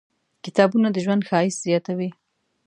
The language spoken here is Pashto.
کتابونه د ژوند ښایست زیاتوي.